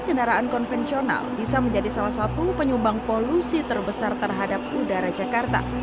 kendaraan konvensional bisa menjadi salah satu penyumbang polusi terbesar terhadap udara jakarta